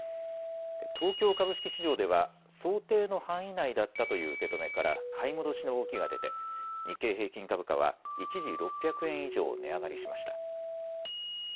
東京株式市場では想定の範囲内だったという受け止めから買い戻しの動きが出て日経平均株価は一時、６００円以上値上がりしました。